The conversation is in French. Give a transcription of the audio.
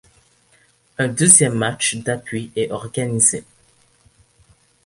Un deuxième match d’appui est organisé.